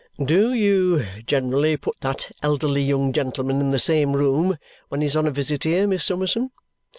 "Do you generally put that elderly young gentleman in the same room when he's on a visit here, Miss Summerson?"